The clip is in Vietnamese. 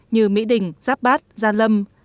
như mỹ đình giáp bát gia lâm